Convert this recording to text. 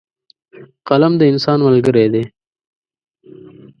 قلم د انسان ملګری دی.